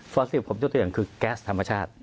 ซิฟผมยกตัวอย่างคือแก๊สธรรมชาติ